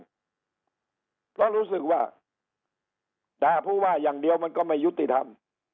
เพราะรู้สึกว่าด่าผู้ว่าอย่างเดียวมันก็ไม่ยุติธรรม